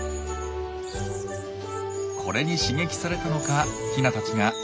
これに刺激されたのかヒナたちが次々と巣立っていきます。